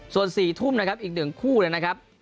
ส่วน๔ทุ่มอีกหนึ่งคู่เลยนะครับ